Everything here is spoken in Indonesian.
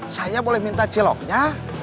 saya boleh minta ciloknya